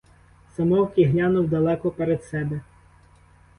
Замовк і глянув далеко перед себе.